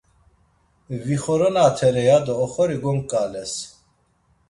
Vixoronatere ya do oxori gonǩales.